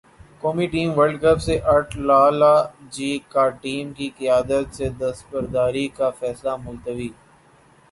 قومی team world cup سے اٹ لالہ جی کا ٹیم کی قیادت سے دستبرداری کا فیصلہ ملتوی